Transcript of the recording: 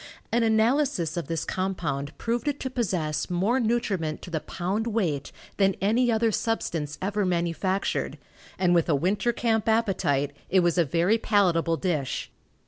An analysis of this compound proved it to possess more nutriment to the pound weight than any other substance ever manufactured, and with a winter camp appetite, it was a very palatable dish.